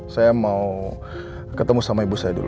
saya mau ketemu sama ibu saya dulu